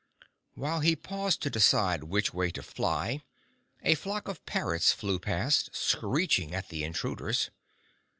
While he paused to decide which way to fly, a flock of parrots flew past, screeching at the intruders.